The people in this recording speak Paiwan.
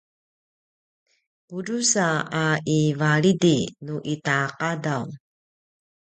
pudrusa a ivalidi nu ita qadaw